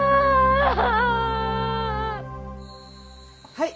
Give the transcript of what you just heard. はい。